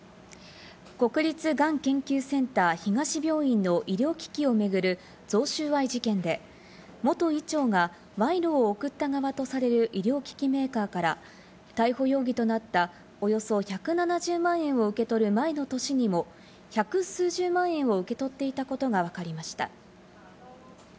国立がん研究センター東病院の医療機器を巡る贈収賄事件で元医長が賄賂を送った側とされる医療機器メーカーから、逮捕容疑となった、およそ１７０万円を受け取る前の年にも１００数十万円を受け取っていたことがわかりました。